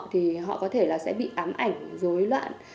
thì họ có thể bị ám ảnh dối loạn